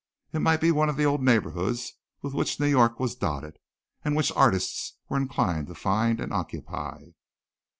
It might be one of the old neighborhoods with which New York was dotted, and which artists were inclined to find and occupy.